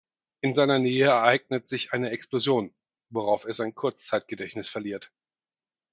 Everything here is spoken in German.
In seiner Nähe ereignet sich eine Explosion, worauf er sein Kurzzeitgedächtnis verliert.